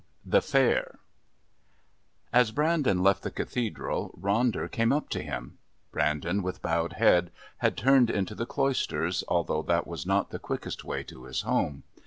The Fair As Brandon left the Cathedral Ronder came up to him. Brandon, with bowed head, had turned into the Cloisters, although that was not the quickest way to his home.